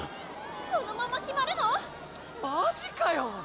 このまま決まるの⁉マジかよ！